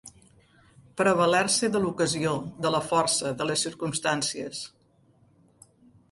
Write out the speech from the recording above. Prevaler-se de l'ocasió, de la força, de les circumstàncies.